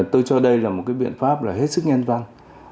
tôi cho đây là một biện pháp hết sức nhan văn